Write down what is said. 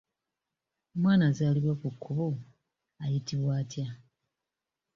Omwana azaalibwa ku kkubo ayitibwa atya?